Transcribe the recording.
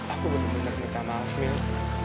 aku benar benar minta maaf mil